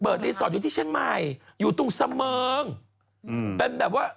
เปิดรีสอร์ชอยู่ที่เช่นใหม่อยู่ตรงเสมิงมือ